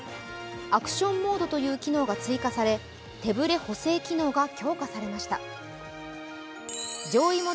アクションモードという機能が追加され、手ブレ補正機能が強化されました。